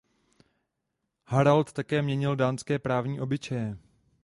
Harald také měnil dánské právní obyčeje.